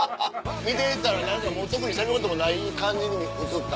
見てたら特にしゃべることもない感じに映った？